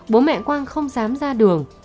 bố mẹ quang không dám ra đường